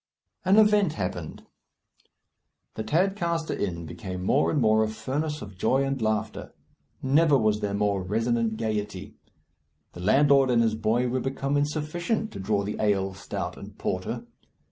An event happened. The Tadcaster Inn became more and more a furnace of joy and laughter. Never was there more resonant gaiety. The landlord and his boy were become insufficient to draw the ale, stout, and porter.